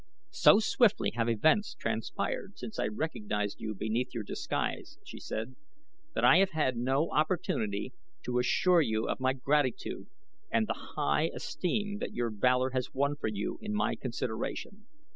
"So swiftly have events transpired since I recognized you beneath your disguise," she said, "that I have had no opportunity to assure you of my gratitude and the high esteem that your valor has won for you in my consideration.